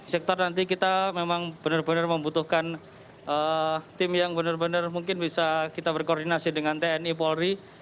sektor nanti kita memang benar benar membutuhkan tim yang benar benar mungkin bisa kita berkoordinasi dengan tni polri